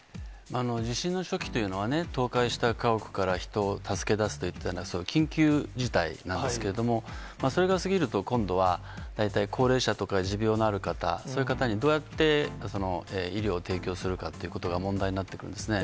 地震の初期というのはね、倒壊した家屋から人を助け出すみたいな、緊急事態なんですけれども、それが過ぎると今度は、大体高齢者とか持病のある方、そういう方にどうやって医療を提供するかっていうことが問題になってくるんですね。